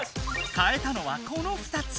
かえたのはこの２つ。